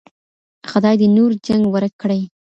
خداي دې نور جنګ ورک کړي.